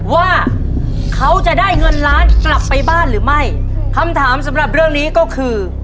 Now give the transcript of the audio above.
ว่าเขาจะได้เงินล้านกลับไปบ้านหรือไม่คำถามสำหรับเรื่องนี้ก็คือ